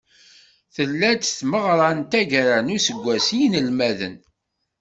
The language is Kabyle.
Tella-d tmeɣra n taggara n useggas i yinelmaden.